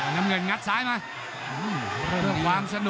น้ำเงินงัดสายมา